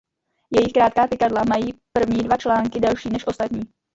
Jejich krátká tykadla mají první dva články delší než ostatní.